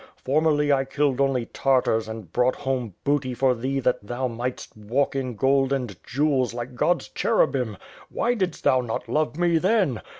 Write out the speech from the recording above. Formerly, I killed only Tartars, and brought home booty for thee that thou might's walk in gold and jewels, like God's cherubim. Why did'st thou not love me then?